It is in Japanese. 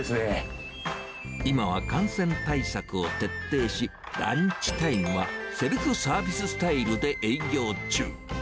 今は感染対策を徹底し、ランチタイムはセルフサービススタイルで営業中。